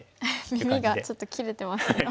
耳がちょっと切れてますが。